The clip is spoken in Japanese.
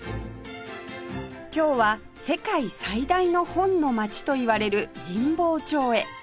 今日は世界最大の本の街といわれる神保町へ